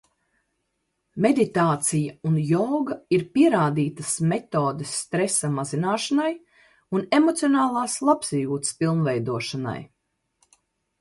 Meditācija un joga ir pierādītas metodes stresa mazināšanai un emocionālās labsajūtas pilnveidošanai.